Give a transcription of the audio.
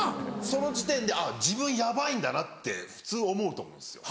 その時点で自分ヤバいんだなって普通思うと思うんですよ。